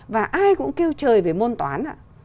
và ai cũng kêu chơi về môn toán